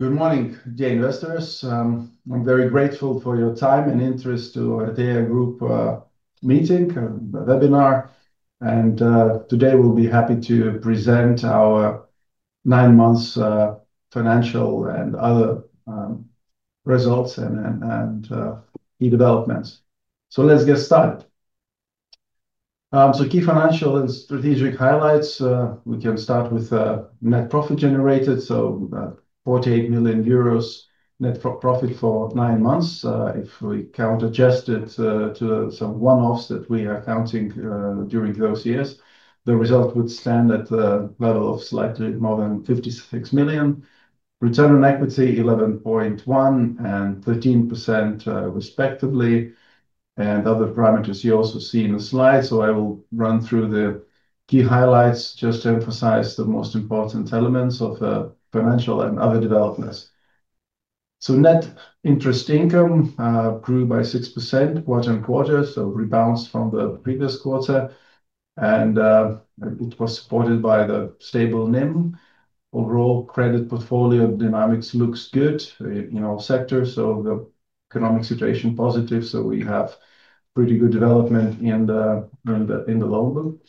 Good morning dear investors. I'm very grateful for your time and interest to their group meeting webinar and today we'll be happy to present our nine months financial and other results and key developments. Let's get started. Key financial and strategic highlights. We can start with net profit generated, so 48 million euros net profit for nine months. If we count adjusted to some one offs that we are counting during those years, the result would stand at the level of slightly more than 56 million. Return on equity 11.1% and 13% respectively and other parameters you also see in the slide. I will run through the key highlights just to emphasize the most important elements of financial and other developments. Net interest income grew by 6% quarter on quarter, rebounds from the previous quarter, and it was supported by the stable net interest margin. Overall credit portfolio dynamics looks good in all sectors. The economic situation positive. We have pretty good development in the loan book.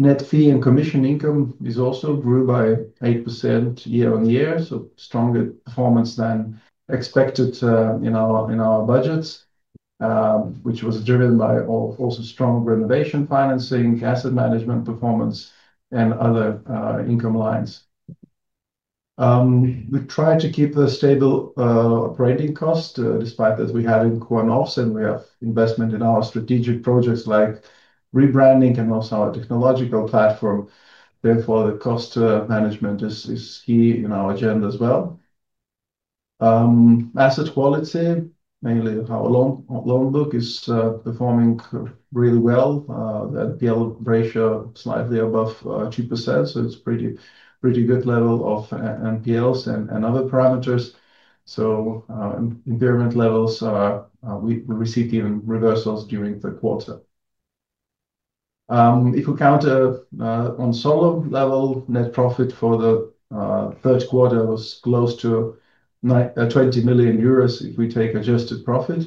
Net fee and commission income also grew by 8% year-on-year, stronger performance than expected in our budgets, which was driven by also strong renovation financing, asset management performance, and other income lines. We try to keep the stable operating cost despite that we had in coin offs and we have investment in our strategic projects like rebranding and also our technological platform. Therefore, the cost management is key in our agenda as well. Asset quality, mainly our loan book, is performing really well. The NPL ratio slightly above 2%, so it's pretty good level of NPLs and other parameters, impairment levels. We received even reversals during the quarter. If we count on solo level, net profit for the third quarter was close to 20 million euros. If we take adjusted profit,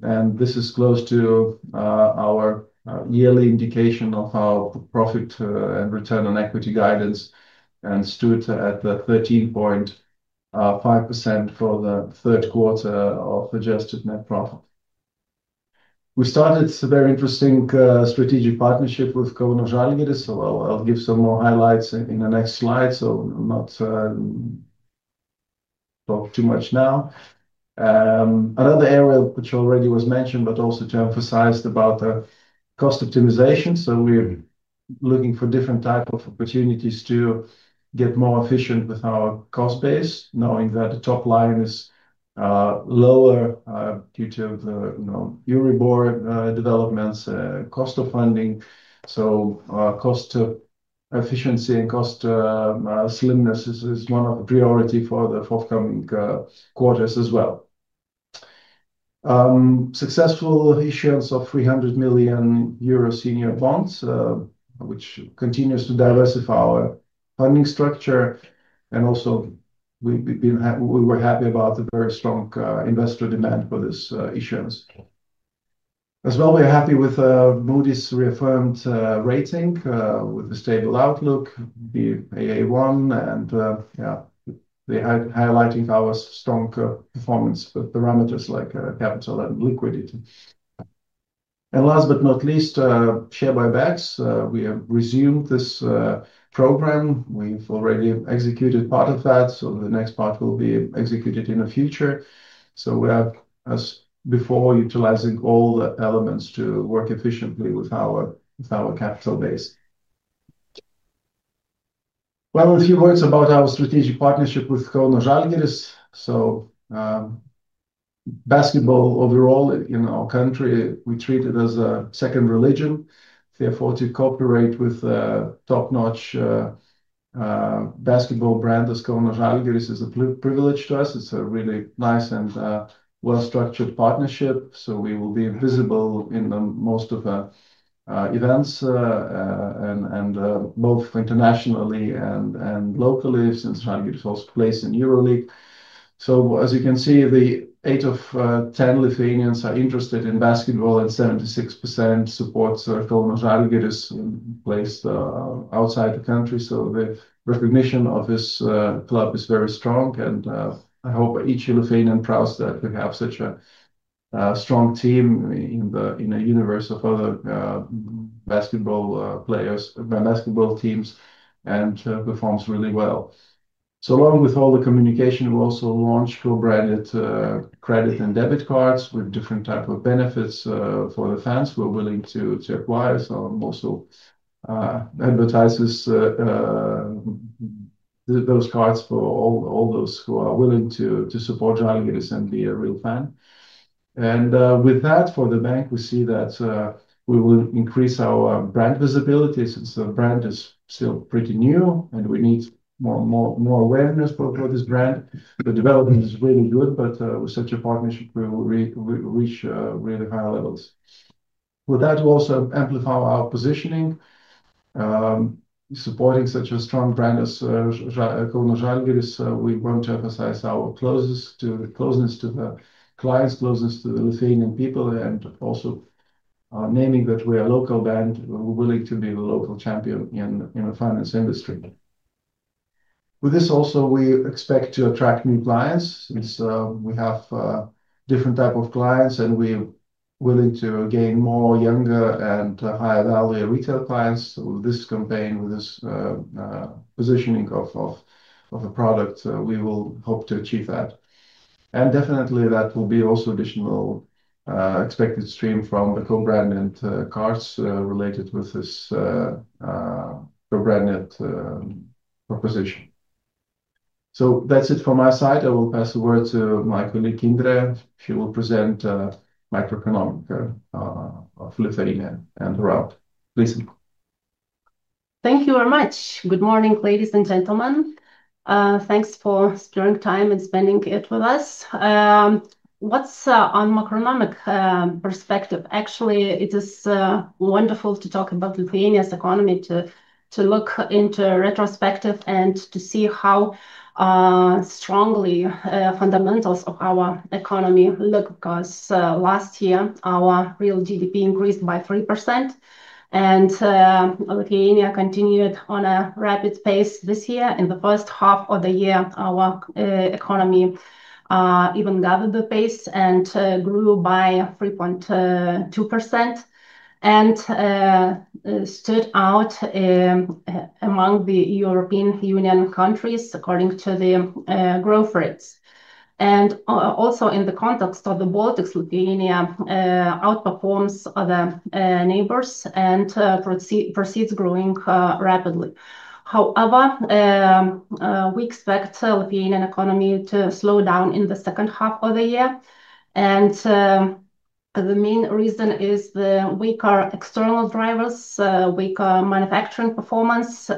this is close to our yearly indication of our profit and return on equity guidance and stood at the 13.5% for the third quarter of adjusted net profit. We started a very interesting strategic partnership with Kauno. I'll give some more highlights in the next slide. Another area which already was mentioned but also to emphasize about cost optimization. We looking for different type of opportunities to get more efficient with our cost base knowing that the top line is lower due to the Euribor developments, cost of funding. Cost of efficiency and cost slimness is one of the priority for the forthcoming quarters as well. Successful issuance of 300 million euro senior bonds which continues to diversify our funding structure. We were happy about the very strong investor demand for this issuance as well. We're happy with Moody’s reaffirmed rating with the stable outlook, the Aa1, and they had highlighting our strong performance parameters like capital and liquidity. Last but not least, share buybacks. We have resumed this program. We've already executed part of that, so the next part will be executed in the future. We have as before utilizing all the elements to work efficiently with our capital base. A few words about our strategic partnership with BC Kauno Žalgiris. Basketball overall in our country, we treat it as a second religion. Therefore, to cooperate with a top notch basketball brand is a privilege to us. It's a really nice and well-structured partnership. We will be visible in most events both internationally and locally since trying to get place in Euroleague. As you can see, 8 of 10 Lithuanians are interested in basketball and 76% support Žalgiris players placed outside the country. The recognition of this club is very strong and I hope each Lithuanian is proud that we have such a strong team in the universe of other basketball teams and performs really well. Along with all the communication, we also launch co-branded payment cards with different type of benefits for the fans who are willing to acquire. We also advertise those cards for all those who are willing to support Žalgiris and be a real fan. For the bank, we see that we will increase our brand visibility since the brand is still pretty new and we need more awareness for this brand. The development is really good but with such a partnership we will reach really high levels. We also amplify our positioning supporting such a strong brand as we want to emphasize our closeness to the clients, closeness to the Lithuanian people and also naming that we are a local bank willing to be the local champion in the finance industry. With this, we also expect to attract new clients since we have different type of clients and we willing to gain more younger and higher value retail clients with this campaign. With this positioning of a product we will hope to achieve that, and definitely that will be also additional expected stream from the co-branded payment cards related with this program proposition. That's it from my side. I will pass over to my colleague Indrė Genytė-Pikčienė. She will present microeconomic of Lithuania and route please. Thank you very much. Good morning ladies and gentlemen. Thanks for sparing time and spending it with us. What's on macronomic perspective? Actually it is wonderful to talk about Lithuania's economy, to look into retrospective and to see how strongly fundamentals of our economy look. Because last year our real GDP increased by 3% and Lithuania continued on a rapid pace this year. In the first half of the year, our economy even gathered the pace and grew by 3.2% and stood out among the European Union countries. According to the growth rates and also in the context of the Baltics, Lithuania outperforms other neighbors and proceeds growing rapidly. However, we expect Lithuanian economy to slow down in the second half of the year. The main reason is the weaker external drivers, weaker manufacturing performance.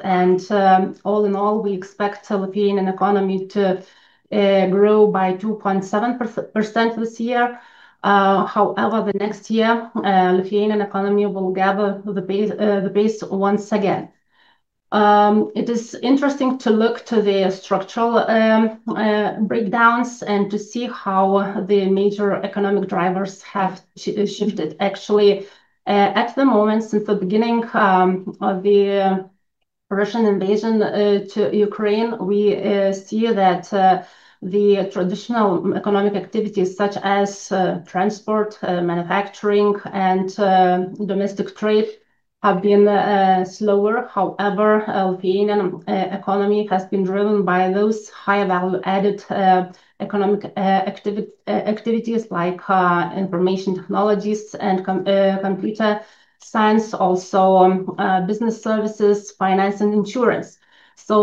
All in all, we expect European economy to grow by 2.7% this year. However, the next year Lithuanian economy will gather the base once again. It is interesting to look to the structural breakdowns and to see how the major economic drivers have shifted. Actually at the moment, since the beginning of Russian invasion to Ukraine, we see that the traditional economic activities such as transport, manufacturing and domestic trade have been slower. However, has been driven by those high value added economic activity activities like information technologists and computer science, also business services, finance and insurance.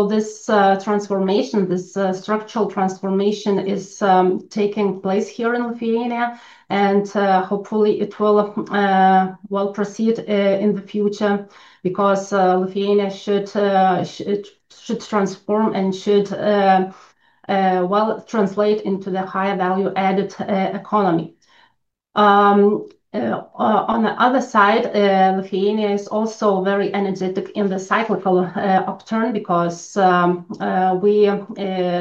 This transformation, this structural transformation is taking place here in Lithuania and hopefully it will proceed in the future because Lithuania should transform and should translate into the higher value added economy. On the other side, Lithuania is also very energetic in the cyclical upturn because we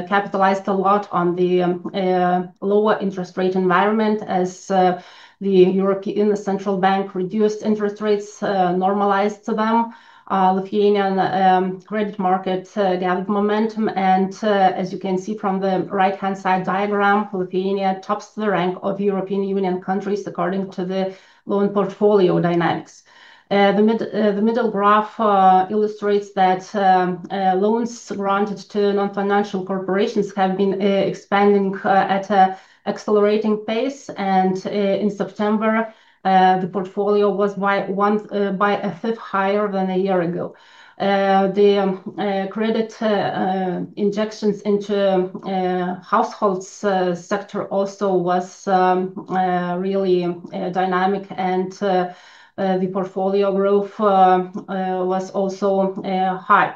capitalized a lot on the lower interest rate environment. As the European Central Bank reduced interest rates normalized to them, Lithuanian credit market gathered momentum. As you can see from the right hand side diagram, Lithuania tops the rank of European Union countries according to the loan portfolio dynamics. The middle graph illustrates that loans granted to non financial corporations have been expanding at an accelerating pace. In September the portfolio was by a fifth higher than a year ago. The credit injections into households sector also was really dynamic and the portfolio growth was also high.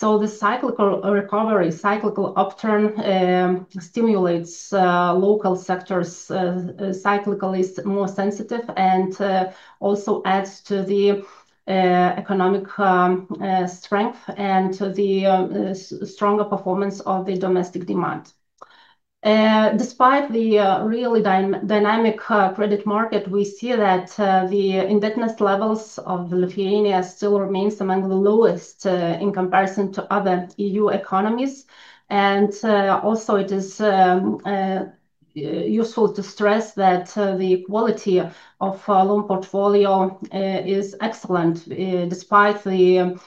The cyclical recovery, cyclical upturn stimulates local sectors cyclically more sensitive and also adds to the economic strength and the stronger performance of the domestic demand. Despite the really dynamic credit market, we see that the indebtedness levels of Lithuania still remain among the lowest in comparison to other EU economies. It is useful to stress that the quality of loan portfolio is excellent despite the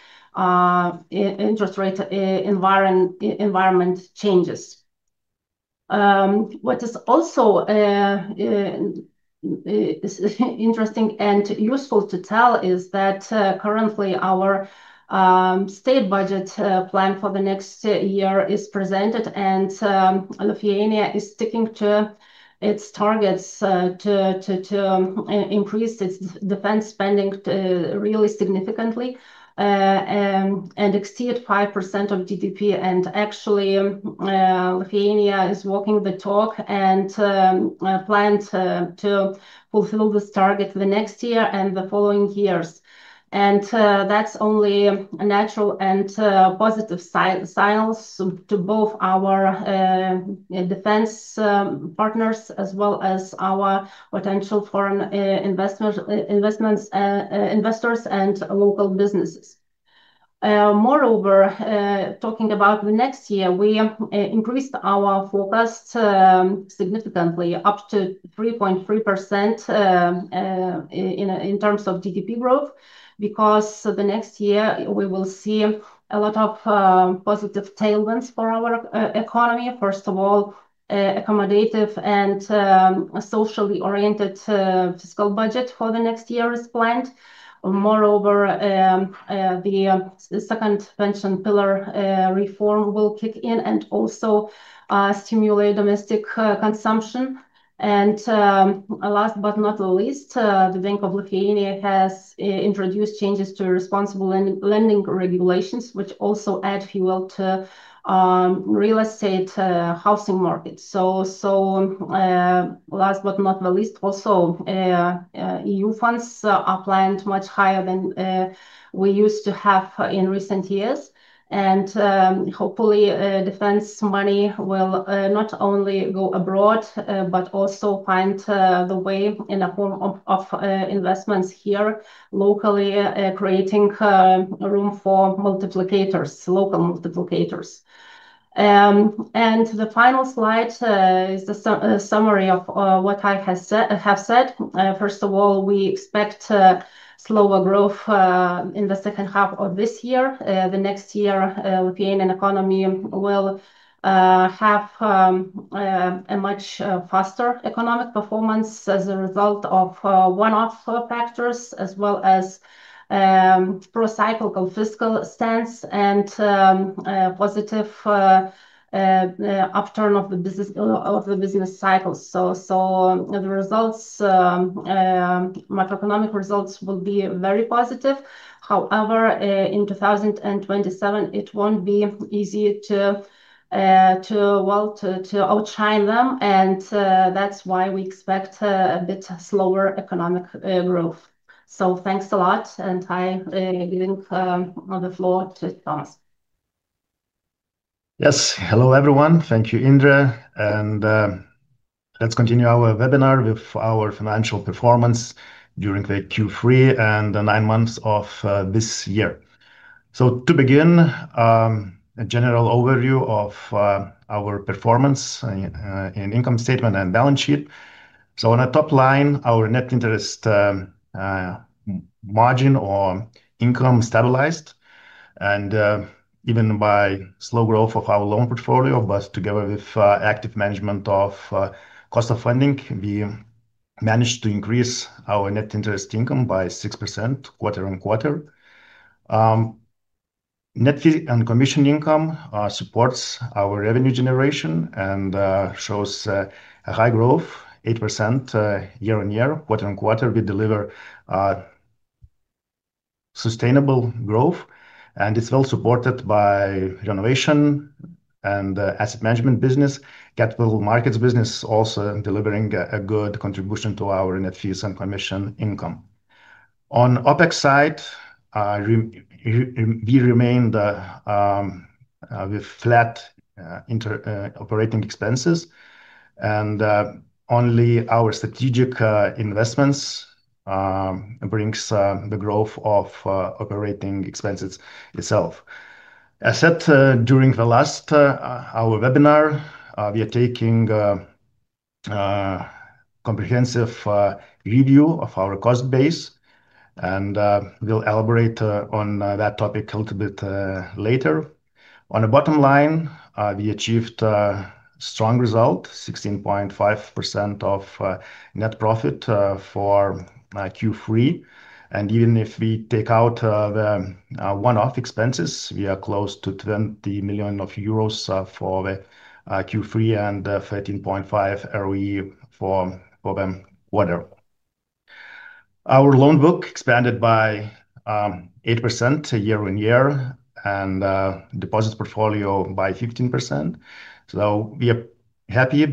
interest rate environment changes. What is also interesting and useful to tell is that currently our state budget plan for the next year is presented and Lithuania is sticking to its targets to increase its defense spending really significantly and exceed 5% of GDP. Lithuania is walking the talk and plans to fulfill this target the next year and the following years. That is only a natural and positive signal to both our defense partners as well as our potential foreign investors and local businesses. Moreover, talking about the next year, we increased our forecast significantly up to 3.3% in terms of GDP growth, because the next year we will see a lot of positive tailwinds for our economy. First of all, accommodative and socially oriented fiscal budget for the next year is planned. Moreover, the second pension pillar reform will kick in and also stimulate domestic consumption. Last but not least, the Bank of Lithuania has introduced changes to responsible lending regulations which also add fuel to real estate housing markets. Also, EU funds are planned much higher than we used to have in recent years. Hopefully defense money will not only go abroad, but also find the way in a form of investments here, locally, creating room for multiplicators, local multiplicators. The final slide is the summary of what I have said. First of all, we expect slower growth in the second half of this year. The next year Lithuanian economy will have a much faster economic performance as a result of one-off factors as well as pro-cycle fiscal stance and positive upturn of the business cycles. The macroeconomic results will be very positive. However, in 2027 it won't be easy to outshine them. That is why we expect a bit slower economic growth. Thanks a lot and I give the floor to Tomas. Yes, hello everyone. Thank you, Indrė. Let's continue our webinar with our financial performance during Q3 and the nine months of this year. To begin, a general overview of our performance in income statement and balance sheet. On the top line, our net interest margin or income stabilized and even by slow growth of our loan portfolio. Together with active management of cost of funding, we managed to increase our net interest income by 6% quarter on quarter. Net fee and commission income supports our revenue generation and shows a high growth, 8% year-on-year. Quarter on quarter, we deliver sustainable growth and it's well supported by renovation and asset management business, capital markets business, also delivering a good contribution to our net fees and commission income. On OpEx side, we remain with flat inter operating expenses and only our strategic investments brings the growth of operating expenses itself. I said during the last our webinar we are taking comprehensive review of our cost base and we'll elaborate on that topic a little bit later. On the bottom line, we achieved strong result, 16.5% of net profit for Q3. Even if we take out the one-off expenses, we are close to 20 million euros for Q3 and 13.5% ROE for them. Quarter, our loan book expanded by 8% year-on-year and deposit portfolio by 15%. We are happy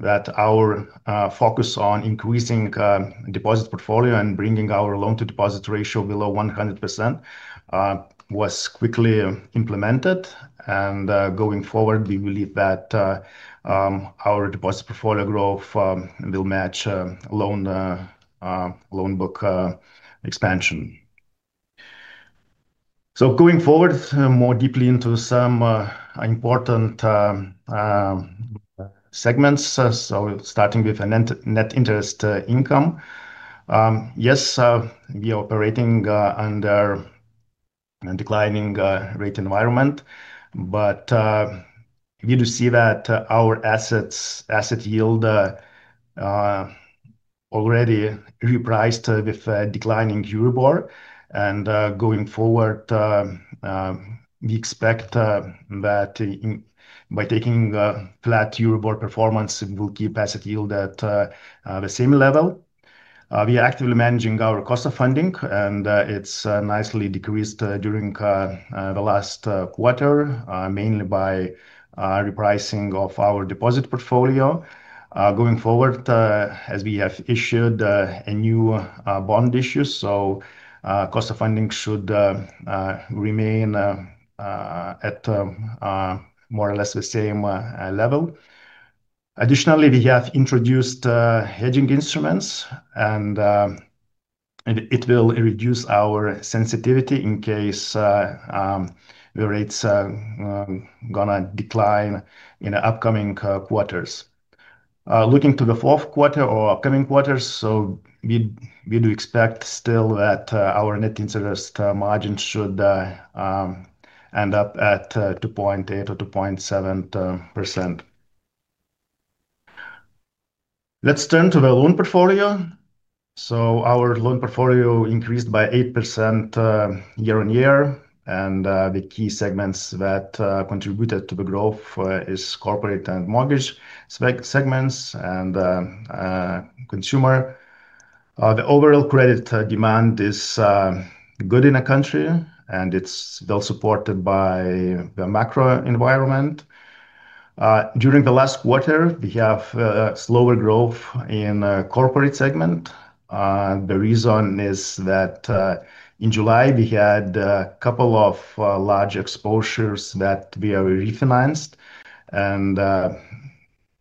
that our focus on increasing deposit portfolio and bringing our loan to deposit ratio below 100% was quickly implemented. Going forward, we believe that our deposit portfolio growth will match loan book expansion. Going forward more deeply into some important segments, starting with net interest income. Yes, we are operating under a declining rate environment. We do see that our asset yield already repriced with declining Euribor. Going forward, we expect that by taking flat Euribor performance, we'll keep asset yield at the same level. We are actively managing our cost of funding and it's nicely decreased during the last quarter mainly by repricing of our deposit portfolio. Going forward, as we have issued a new bond issue, cost of funding should remain at more or less the same level. Additionally, we have introduced hedging instruments and it will reduce our sensitivity in case the rates are going to decline in upcoming quarters. Looking to the fourth quarter or upcoming quarters, we do expect still that our net interest margin should end up at 2.8% or 2.7%. Let's turn to the loan portfolio. Our loan portfolio increased by 8% year-on-year. The key segments that contributed to the growth are corporate, mortgage segments, and consumer. The overall credit demand is good in the country and it's well supported by the macro environment. During the last quarter, we have slower growth in the corporate segment. The reason is that in July we had a couple of large exposures that we refinanced.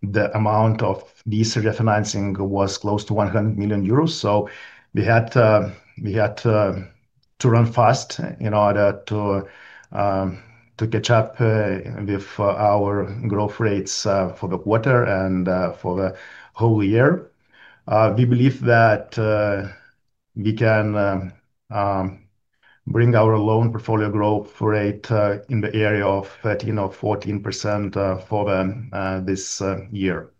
The amount of this refinancing was close to 100 million euros. We had to run fast in order to catch up with our growth rates for the quarter and for the whole year. We believe that we can bring our loan portfolio growth rate in the area of 13% or 14% for this year.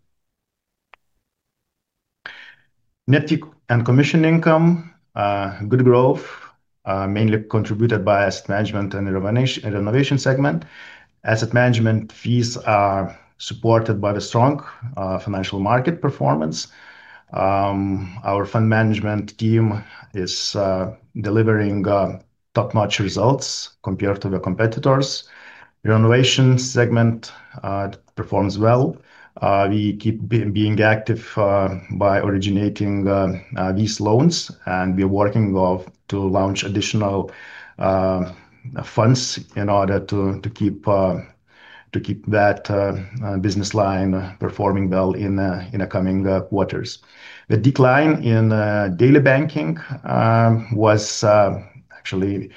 Net fee and commission income had good growth, mainly contributed by asset management and renovation financing segment. Asset management fees are supported by the strong financial market performance. Our fund management team is delivering top notch results compared to the competitors. Renovation financing segment performs well. We keep being active by originating these loans and we are working to launch additional funds in order to keep that business line performing well in the coming quarters. The decline in daily banking was actually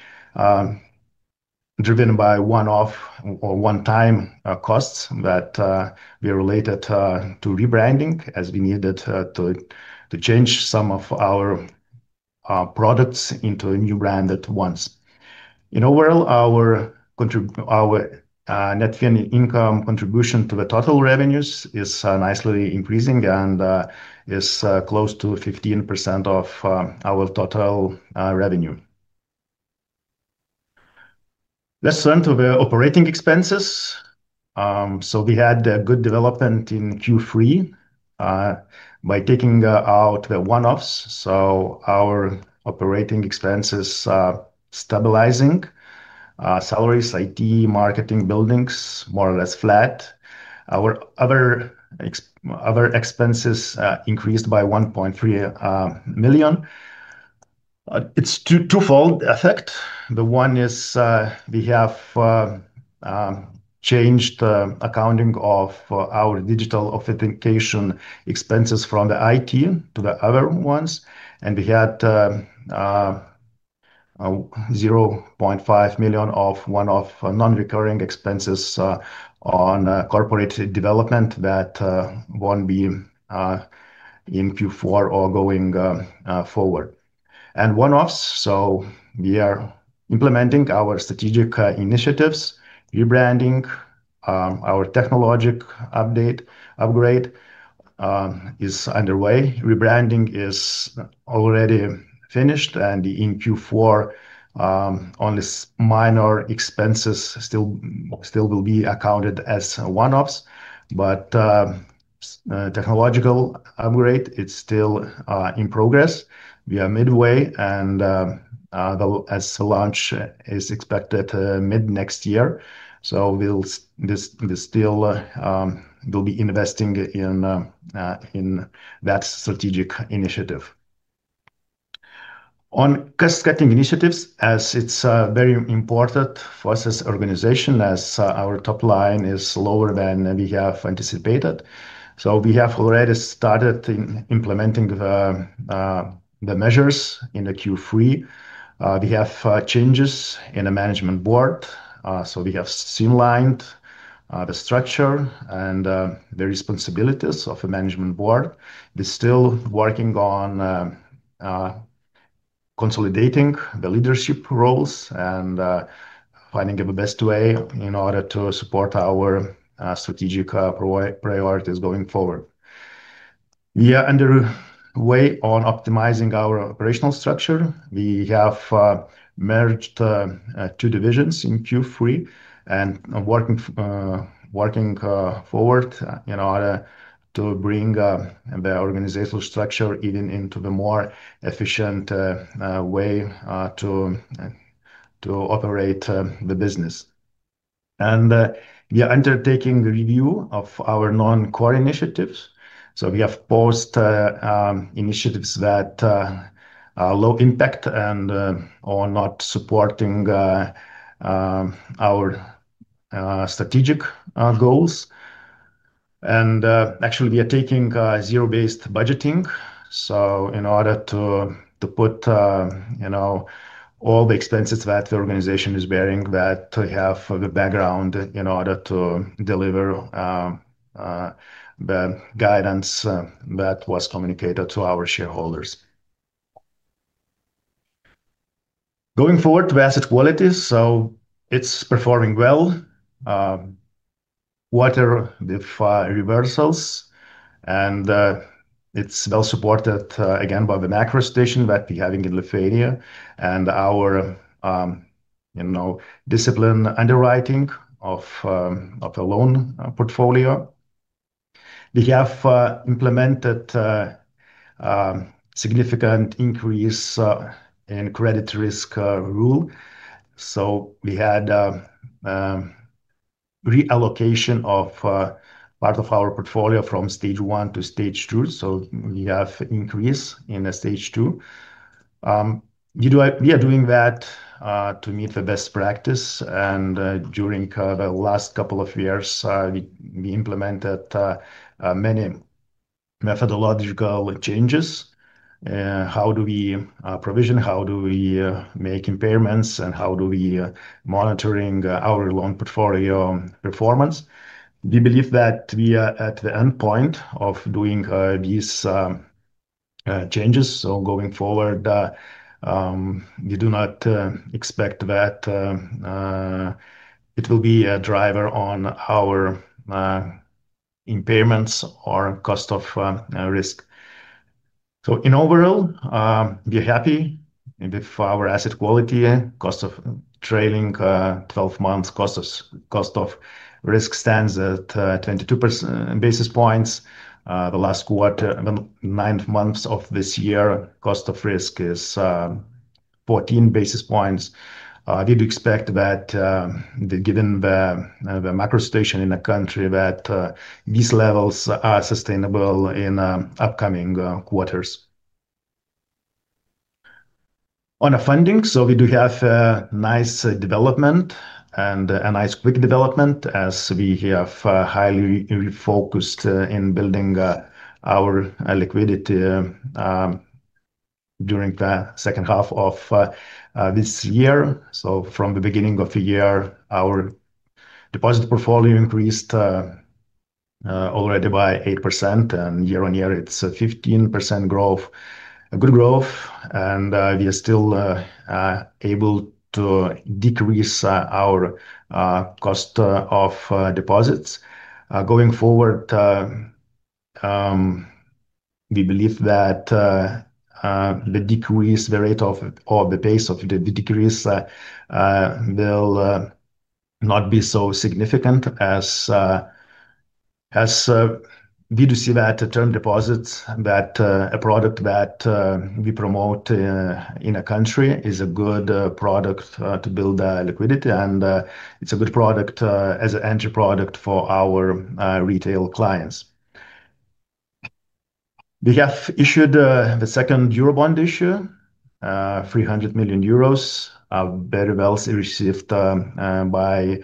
driven by one-off or one-time costs that were related to rebranding as we needed to change some of our products into a new brand at once. Overall, our net fee income contribution to the total revenues is nicely increasing and is close to 15% of our total revenue. Let's run to the operating expenses. We had good development in Q3 by taking out the one-offs. Our operating expenses are stabilizing: salaries, IT, marketing, buildings more or less flat. Our other expenses increased by 1.3 million. It's a twofold effect. One is we have changed accounting of our digital authentication expenses from the IT to the other ones and we. Had. 0.5 million of one-off non-recurring expenses on corporate development that won't be in Q4 or going forward and one-offs. We are implementing our strategic initiatives. Rebranding, our technologic update upgrade is underway. Rebranding is already finished and in Q4 only minor expenses still will be accounted as one-offs. Technological upgrade is still in progress. We are midway and as launch is expected mid next year, we will still be investing in that strategic initiative. On cost-cutting initiatives, as it's very important for us as an organization as our top line is lower than we have anticipated, we have already started implementing the measures in Q3. We have changes in the Management Board. We have streamlined the structure and the responsibilities of the Management Board. We're still working on consolidating the leadership roles and finding the best way in order to support our strategic priorities going forward. We are underway on optimizing our operational structure. We have merged two divisions in Q3 and are working forward in order to bring the organizational structure even into a more efficient way to operate the business. We are undertaking review of our non-core initiatives. We have paused initiatives that are low impact and are not supporting our strategic goals. We are taking zero-based budgeting in order to put all the expenses that the organization is bearing that have the background in order to deliver the guidance that was communicated to our shareholders. Going forward to asset quality, it's performing well with reversals and it's well supported again by the macro situation that we're having in Lithuania and our, you know, disciplined underwriting of a loan portfolio. We have implemented significant increase in credit risk rule. We had reallocation of part of our portfolio from stage one to stage two, so we have increase in stage two. We are doing that to meet the best practice. During the last couple of years, we implemented many methodological changes. How do we provision, how do we make impairments, and how do we monitor our loan portfolio performance? We believe that we are at the end point of doing these changes. Going forward, we do not expect that it will be a driver on our impairments or cost of risk. Overall, we are happy with our asset quality. Cost of trailing twelve months cost of risk stands at 0.22% basis points. The last quarter ninth month of this year cost of risk is 14 basis points. Did you expect that given the macro situation in a country that these levels are sustainable in upcoming quarters on a funding? We do have nice development and a nice quick development as we have highly refocused in building our liquidity during the second half of this year. From the beginning of the year our deposit portfolio increased already by 8% and year-on-year it's a 15% growth, a good growth and we are still able to decrease our cost of deposits going forward. We believe that the decrease the rate of or the pace of the decrease will not be so significant as. We. Do see that term deposits, that a product that we promote in a country, is a good product to build liquidity, and it's a good product as an entry product for our retail clients. We have issued the second Eurobond issue, EUR 300 million. Very well received by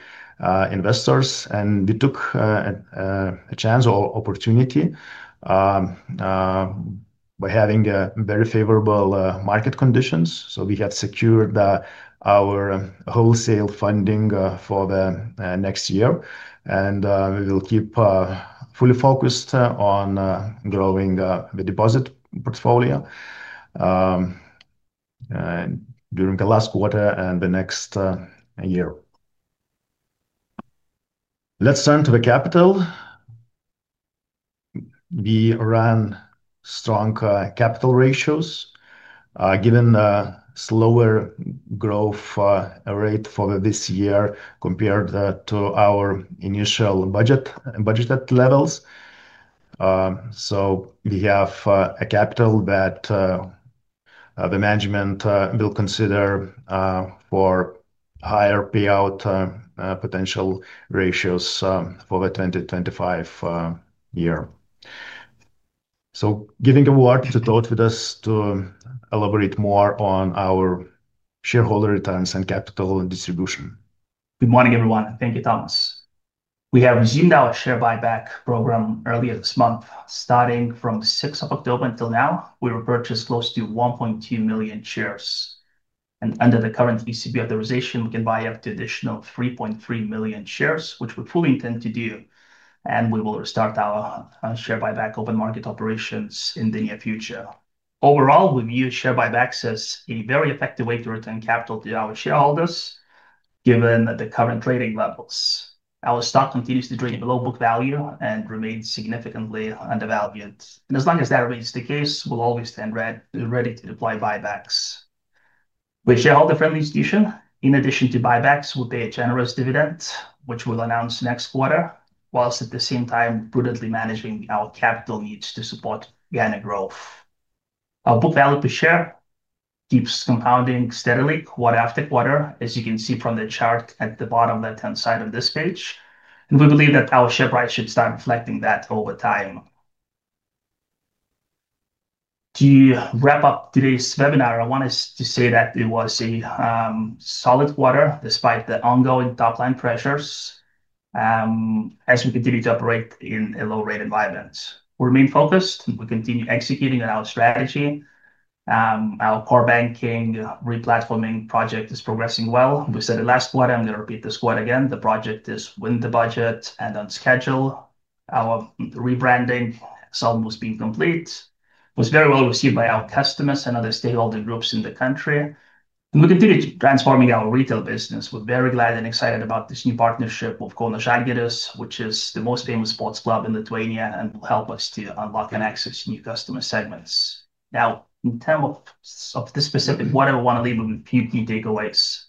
investors, and we took a chance or opportunity by having very favorable market conditions. We have secured our wholesale funding for the next year, and we will keep fully focused on growing the deposit portfolio during the last quarter and the next year. Let's turn to the capital. We run strong capital ratios given slower growth rate for this year compared to our initial budgeted levels. We have a capital that the management will consider for higher payout potential ratios for the 2025 year. Giving award to Tautvydas to elaborate more on our shareholder returns and capital distribution. Good morning everyone. Thank you, Tomas. We have resumed our share buyback program earlier this month. Starting from October 6 until now, we repurchased close to 1.2 million shares. Under the current ECB authorization, we can buy up to an additional 3.3 million shares, which we fully intend to do. We will restart our share buyback open market operations in the near future. Overall, we view share buybacks as a very effective way to return capital to our shareholders given the current trading levels. Our stock continues to trade below book value and remains significantly undervalued. As long as that remains the case, we'll always stand ready to deploy buybacks. We are a shareholder-friendly institution. In addition to buybacks, we pay a generous dividend, which we'll announce next quarter, whilst at the same time prudently managing our capital needs to support organic growth. Our book value per share keeps compounding steadily quarter after quarter, as you can see from the chart at the bottom left-hand side of this page. We believe that our share price should start reflecting that over time. To wrap up today's webinar, I want to say that it was a solid quarter despite the ongoing top line pressures. As we continue to operate in a low rate environment, we remain focused and continue executing on our strategy. Our core banking re-platforming project is progressing well. We said it last quarter. I'm going to repeat this quote again. The project is within the budget and on schedule. Our rebranding has almost been completed, was very well received by our customers and other stakeholder groups in the country, and we continue transforming our retail business. We're very glad and excited about this new partnership with Kauno Žalgiris, which is the most famous sports club in Lithuania and will help us to unlock and access new customer segments. Now, in terms of this specific, I want to leave with a few key takeaways.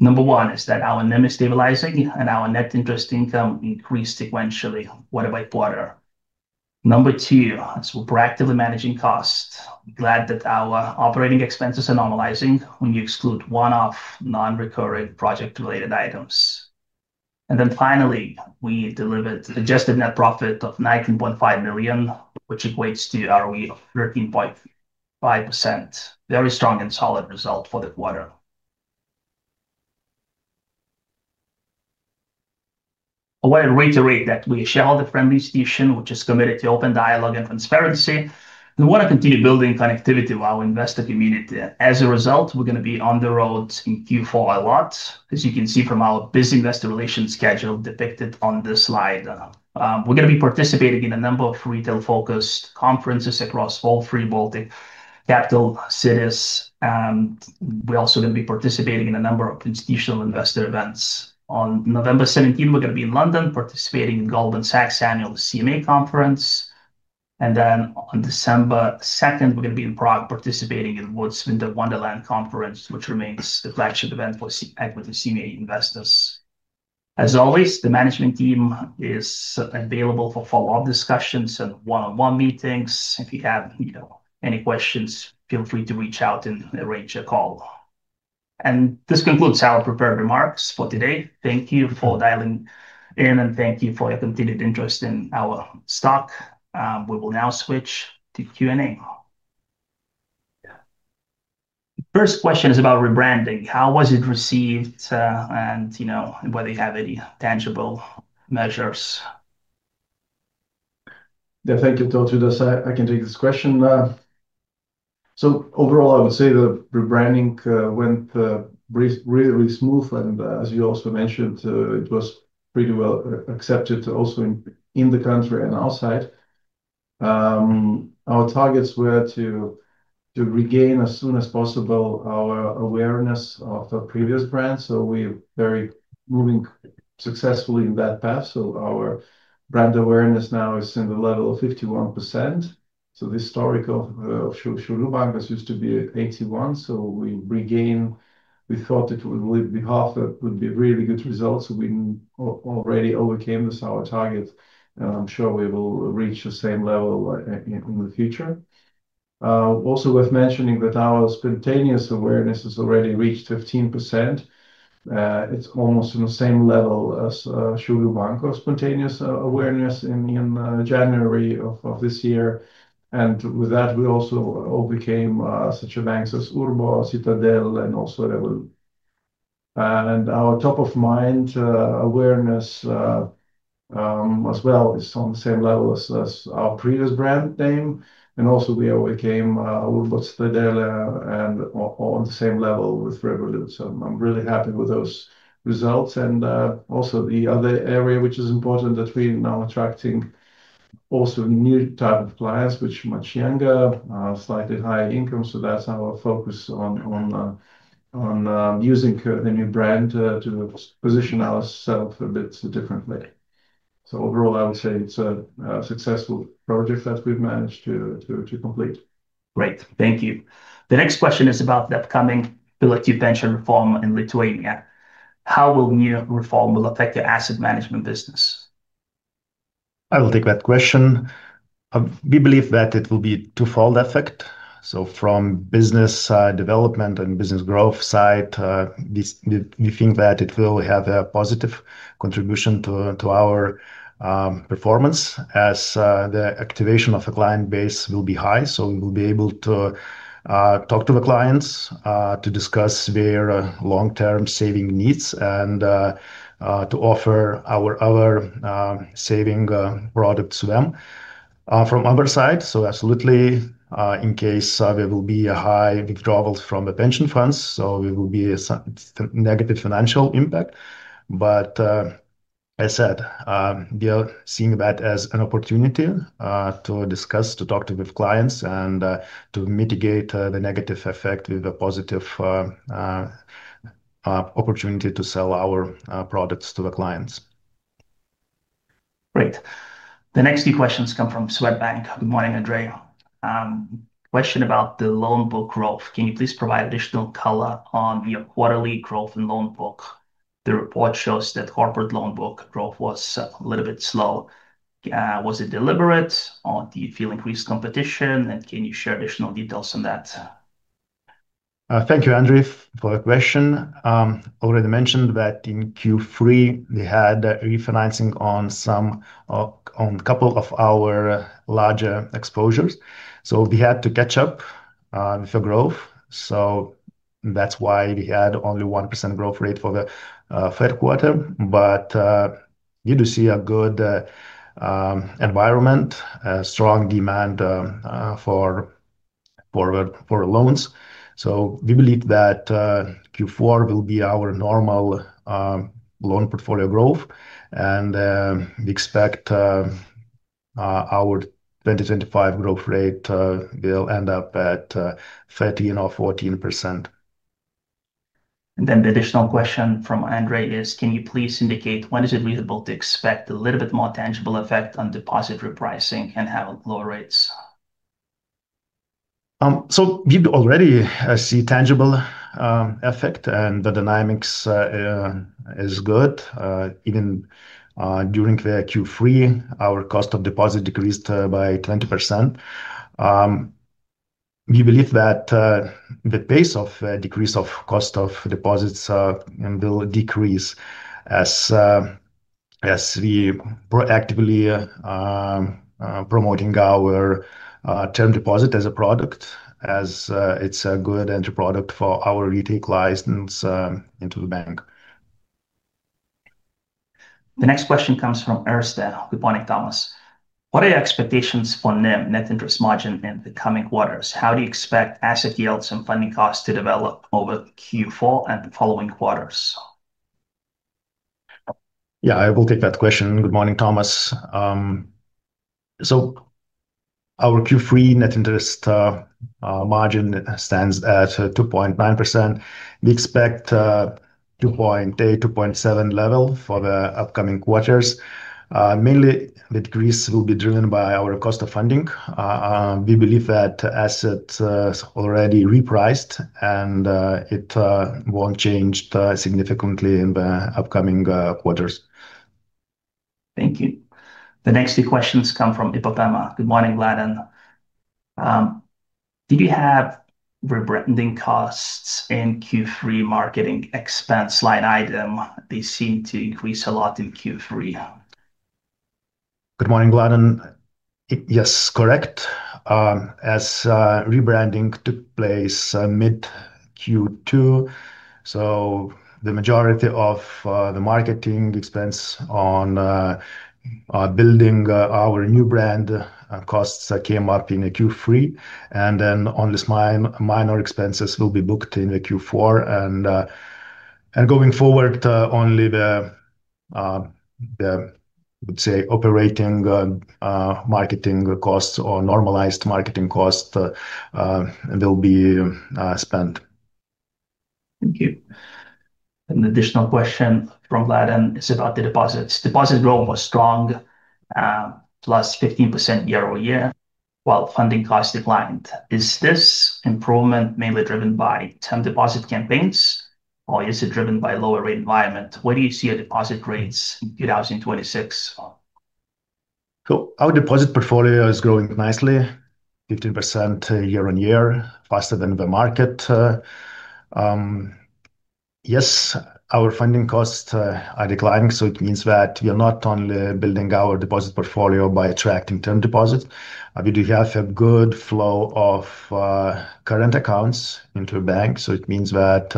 Number one is that our net interest margin is stabilizing and our net interest income increased sequentially quarter by quarter. Number two, we're proactively managing cost. Glad that our operating expenses are normalizing when you exclude one-off non-recurring project-related items. Finally, we delivered adjusted net profit of 19.5 million, which equates to return on equity of 13.5%. Very strong and solid result for the quarter. I want to reiterate that we are a shareholder-friendly institution which is committed to open dialogue and transparency. We want to continue building connectivity of our investor community. As a result, we're going to be on the road in Q4 a lot. As you can see from our busy investor relations schedule depicted on this slide, we're going to be participating in a number of retail-focused conferences across all three Baltic capital cities, and we're also going to be participating in a number of institutional investor events. On November 17th, we're going to be in London participating in Goldman Sachs annual CMA conference, and then on December 2nd, we're going to be in Prague participating in WOOD's in the Wonderland Conference, which remains the flagship event for equity CMA investors. As always, the management team is available for follow-up discussions and one-on-one meetings. If you have any questions, feel free to reach out and arrange a call. This concludes our prepared remarks for today. Thank you for dialing in and thank you for your continued interest in our stock. We will now switch to Q&A. First question is about rebranding. How was it received and you know whether you have any tangible measures. Thank you for this. I can take this question. Overall, I would say the rebranding went really smooth, and as you also mentioned, it was pretty well accepted, also in the country and outside. Our. Targets were to regain as soon as possible our awareness of the previous brand. We are moving successfully in that path. Our brand awareness now is at the level of 51%. The historical used to be 81%. We regain. We thought it would be half, that would be really good results. We already overcame this, our target, and I'm sure we will reach the same level in the future. Also worth mentioning that our spontaneous awareness has already reached 15%. It's almost on the same level as Šiaulių Bankas of spontaneous awareness in January of this year. With that, we also all became such banks as Urbo, Citadele, and also Revolut. Our top of mind awareness as well is on the same level as our previous brand name. We overcame and are on the same level with Revolut. I'm really happy with those results. The other area which is important is that we are now attracting also a new type of clients, which are much younger, slightly higher income. That's our focus on using the new brand to position ourselves a bit differently. Overall, I would say it's a successful project that we've managed to complete. Great, thank you. The next question is about the upcoming pension reform in Lithuania. How will new reform affect your asset management business? I will take that question. We believe that it will be a twofold effect. From business development and business growth side, we think that it will have a positive contribution to our performance as the activation of the client base will be high. We will be able to talk to the clients to discuss their long-term saving needs and to offer our other saving products to them from other side. Absolutely, in case there will be a high withdrawal from the pension funds, there will be negative financial impact. As I said, we are seeing that as an opportunity to discuss, to talk with clients, and to mitigate the negative effect with a positive opportunity to sell our products to the clients. Great. The next few questions come from Swedbank. Good morning, Andrea. Question about the loan book growth. Can you please provide additional color on your quarterly growth and loan book? The report shows that corporate loan book growth was a little bit slow. Was it deliberate or do you feel increased competition? Can you share additional details on that? Thank you, Andre, for the question. Already mentioned that in Q3 they had refinancing on some, on a couple of our larger exposures. We had to catch up on the growth, which is why we had only 1% growth rate for the third quarter. You do see a good environment, strong demand for loans. We believe that Q4 will be our normal loan portfolio growth, and we expect our 2025 growth rate will end up at 13% or 14%. Could you please indicate when it is reasonable to expect a little bit more tangible effect on deposit repricing and have lower rates? We already see tangible effect and the dynamics is good. Even during Q3, our cost of deposit decreased by 20%. We believe that the pace of decrease of cost of deposits will decrease as we are proactively promoting our term deposit as a product, as it's a good entry product for our retake license into the bank. The next question comes from Erstein. What are your expectations for NIM net interest margin in the coming quarters? How do you expect asset yields and funding costs to develop over Q4 and the following quarters? I will take that question. Good morning, Tomas. Our Q3 net interest margin stands at 2.9%. We expect 2.8%-2.7% level for the upcoming quarters. Mainly, the decrease will be driven by our cost of funding. We believe that assets already repriced and it won't change significantly in the upcoming quarters. Thank you. The next few questions come from Ipopema. Good morning, Vladan. Did you have rebranding costs in Q3 marketing expense line item? They seem to increase a lot in Q3. Good morning, Vladan. Yes, correct. As rebranding took place mid Q2, the majority of the marketing expense on building our new brand costs came up in Q3, and then only minor expenses will be booked in Q4. Going forward, only the, let's say, operating marketing costs or normalized marketing cost will be spent. Thank you. An additional question from Vladan and it's about the deposits. Deposit growth was strong, +15% year-over-year, while funding costs declined. Is this improvement mainly driven by term deposit campaigns, or is it driven by lower rate environment? Where do you see deposit rates in 2026? Our deposit portfolio is growing nicely, 15% year-on-year, faster than the market. Yes, our funding costs are declining. It means that we are not only building our deposit portfolio by attracting term deposits, we discuss a good flow of current accounts into the bank. It means that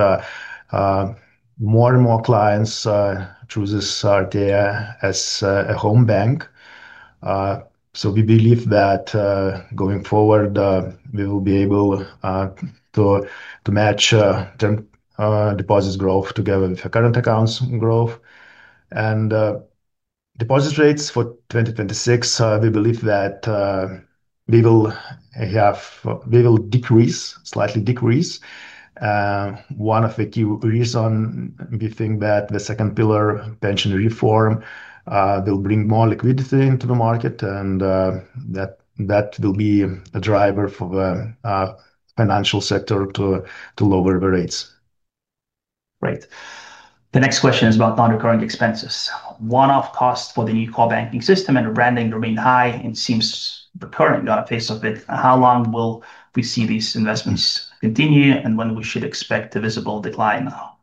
more and more clients choose Artea as a home bank. We believe that going forward we will be able to match term deposits growth together with the current accounts growth, and deposit rates for 2026, we believe, will slightly decrease. One of the key reasons we think that the second pillar pension reform will bring more liquidity into the market, and that will be a driver for the financial sector to lower the rates. Right. The next question is about non-recurring expenses. One-off cost for the new core banking system and the branding remain high and seems to be recurring on a face of it. How long will we see these investments continue, and when should we expect a visible decline now.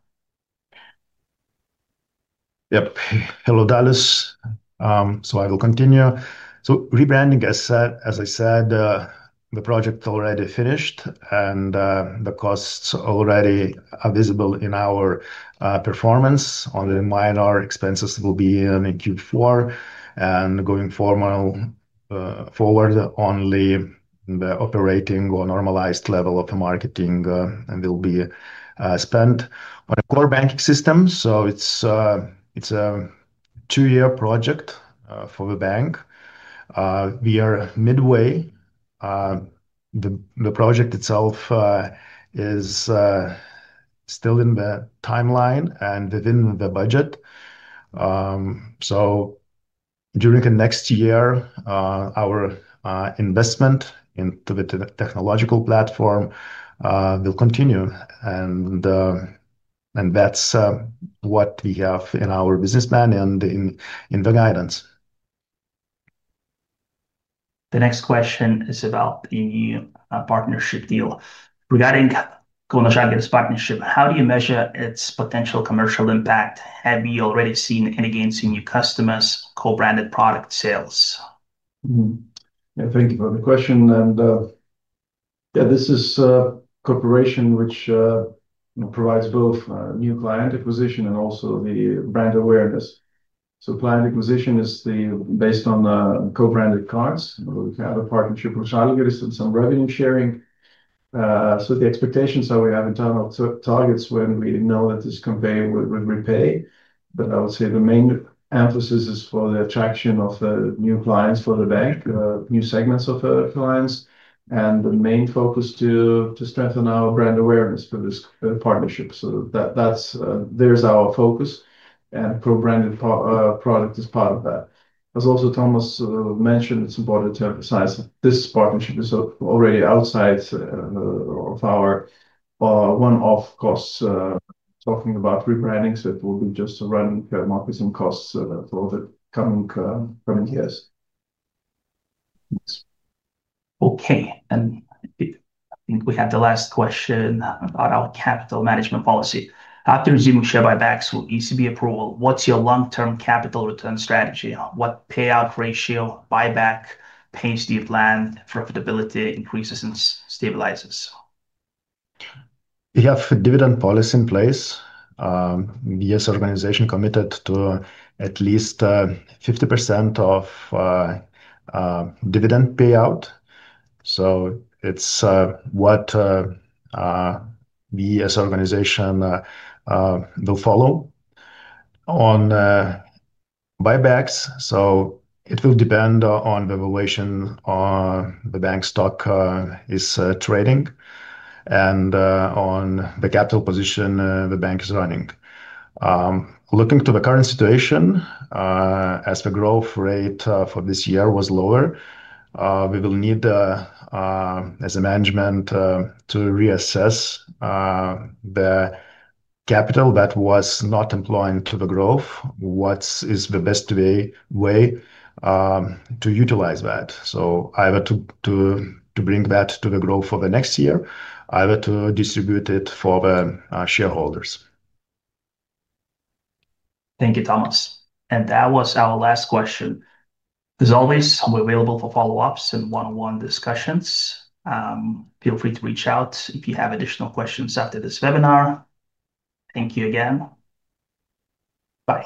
Yep. Hello Dallas. I will continue. Rebranding, as I said, the project already finished and the costs already are visible in our performance. Only minor expenses will be in Q4, and going forward only the operating or normalized level of marketing will be spent on a core banking system. It's a two-year project for the bank. We are midway. The project itself is still in the timeline and within the budget. During the next year, our investment into the technological platform will continue. That's what we have in our business plan and in the guidance. The next question is about a new partnership deal. Regarding Kauno Žalgiris' partnership, how do you measure its potential commercial impact? Have you already seen any gains in new customers, co-branded product sales? Thank you for the question. This is a corporation which provides both new client acquisition and also brand awareness. Client acquisition is based on co-branded payment cards. We have a partnership with Kauno Žalgiris and some revenue sharing. The expectations are that we have internal targets when we know that this conveyor would repay. I would say the main emphasis is for the attraction of new clients for the bank, new segments of clients, and the main focus is to strengthen our brand awareness for this partnership. That's our focus and co-branded product is part of that. As also Tomas mentioned, it's important to emphasize this partnership is already outside of our one-off costs talking about rebranding. It will be just running marketing costs for the coming years. Okay. I think we have the last question about our capital management policy. After resuming share buybacks with ECB approval, what's your long term capital return strategy? What payout ratio? Buyback pays the plan, profitability increases and stabilizes. We have dividend policy in place. Yes, organization committed to at least 50% of dividend payout. It's what we as organization will follow on buybacks. It will depend on the valuation the bank stock is trading and on the capital position the bank is running. Looking to the current situation as the growth rate for this year was lower, we will need as a management to reassess the capital that was not employed to the growth. What is the best way to utilize that. Either to bring that to the growth for the next year, either to distribute it for the shareholders. Thank you, Tomas. That was our last question. As always, we're available for follow-ups and one-on-one discussions. Feel free to reach out if you have additional questions after this webinar. Thank you again. Bye.